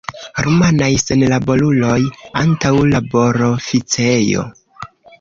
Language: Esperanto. Rumanaj senlaboruloj antaŭ laboroficejo.